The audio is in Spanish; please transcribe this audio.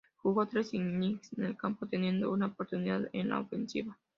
Jugó tres innings en el campo, teniendo una oportunidad en la ofensiva.